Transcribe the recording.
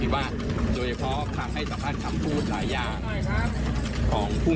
เราก็หวังว่าบ้านเมืองนี้ก็มีความเป็นธรรม